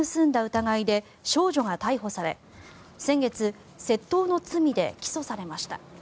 疑いで少女が逮捕され先月窃盗の罪で起訴されました。